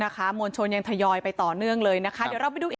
มวลชนยังทยอยไปต่อเนื่องเลยนะคะเดี๋ยวเราไปดูอีก